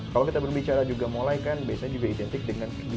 kalau kita berbicara juga mulai kan biasanya juga identik dengan